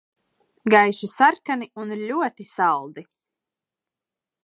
Gaiši sarkani un ļoti saldi.